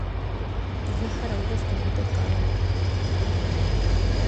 زه هره ورځ کمپیوټر کاروم.